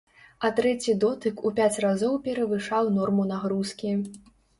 А трэці дотык у пяць разоў перавышаў норму нагрузкі.